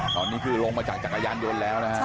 ตอนนี้คือลงมาจากจักรยานยนต์แล้วนะฮะ